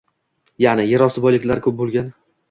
Ya’ni, yer osti boyliklari ko‘p bo‘lgan